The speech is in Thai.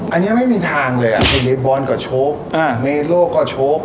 อันเนี้ยไม่มีทางเลยอ่ะเห็นเร็ดบอลก็โชคอ่าเมโลก็โชค